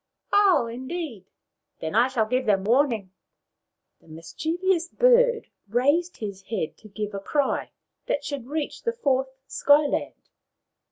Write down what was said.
"Oh, indeed ! Then I shall give them warn ing." The mischievous bird raised his head to give a cry that should reach the fourth Sky land.